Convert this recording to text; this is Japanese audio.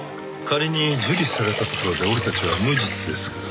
仮に受理されたところで俺たちは無実です。